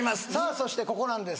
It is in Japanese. そしてここなんです